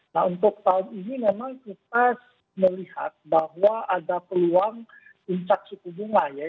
nah untuk tahun ini memang kita melihat bahwa ada peluang puncak suku bunga ya